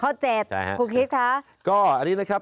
ข้อ๗คุณคริสต์คะก็อันนี้นะครับ